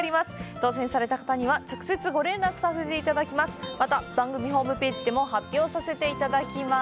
当せんされた方には、直接ご連絡させていただきます。